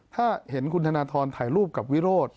ถ้าเห็นคุณธนทรถ่ายรูปกับวิโรธ